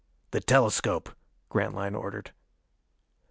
"The telescope," Grantline ordered.